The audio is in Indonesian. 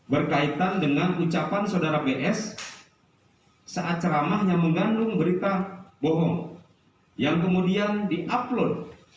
berkaitan dengan ucapan saudara ps saat ceramah yang mengandung berita bohong